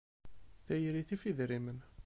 Tayri tif idrimen.